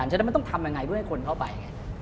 เพราะฉะนั้นมันต้องทำยังไงด้วยให้คนเข้าไป